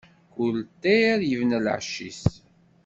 Kull ṭṭir ibna lεecc-is.